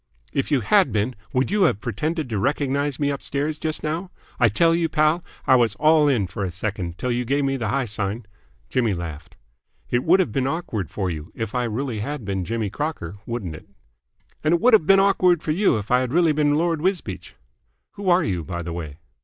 "If you had been, would you have pretended to recognise me upstairs just now? I tell you, pal, I was all in for a second, till you gave me the high sign." Jimmy laughed. "It would have been awkward for you if I really had been Jimmy Crocker, wouldn't it?" "And it would have been awkward for you if I had really been Lord Wisbeach." "Who are you, by the way?"